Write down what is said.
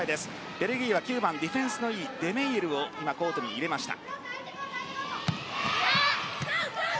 ベルギーは９番ディフェンスのいいデメイエルをコートに入れました。